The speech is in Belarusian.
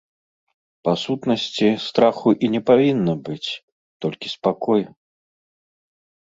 Па сутнасці, страху і не павінна быць, толькі спакой.